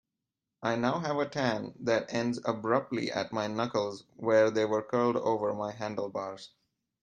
I now have a tan that ends abruptly at my knuckles where they were curled over my handlebars.